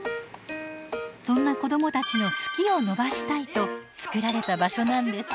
そんな子どもたちの「好き」を伸ばしたいと作られた場所なんです。